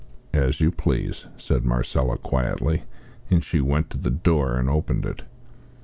"As you please," said Marcella, quietly. And she went to the door and opened it.